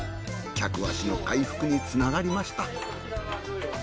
客足の回復につながりました。